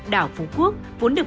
đảo phú quốc vốn được